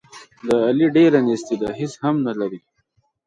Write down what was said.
د علي ډېره نیستي ده، هېڅ هم نه لري.